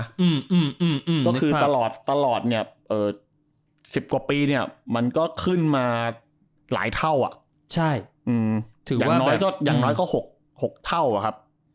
ก็คือตลอด๑๐กว่าปีเนี่ยมันก็ขึ้นมาหลายเท่าอย่างน้อยก็๖เท่า